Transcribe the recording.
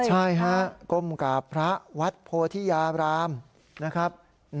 ใช่ฮะก้มกราบพระวัดโพธิยารามนะครับ